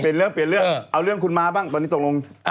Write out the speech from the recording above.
เปลี่ยนเรื่องเอาเรื่องคุณม้าบ้างตอนนี้ตกลงถ่ายรูป